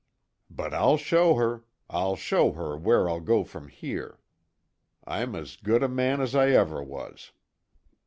"But, I'll show her I'll show her where I'll go from here. I'm as good a man as I ever was."